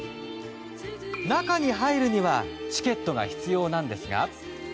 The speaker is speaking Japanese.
中に入るにはチケットが必要なんですが。